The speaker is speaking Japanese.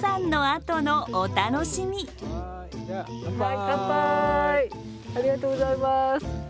ありがとうございます。